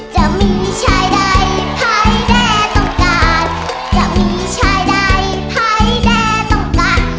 จะมีชายใดใครได้ต้องการ